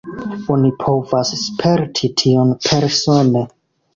Oni povas sperti tion persone.